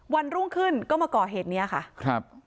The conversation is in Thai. วันรุ่งขึ้นก็มาก่อเหตุนี้ค่ะครับ